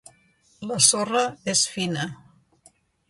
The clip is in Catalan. La sorra és fina.